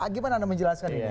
gimana anda menjelaskan ini